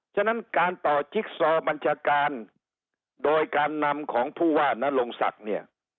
ฉะนั้นการต่อจิ๊กซอบัญชาการโดยการนำของผู้ว่านรงศักดิ์เนี่ย